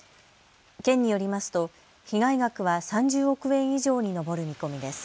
県によりますと被害額は３０億円以上に上る見込みです。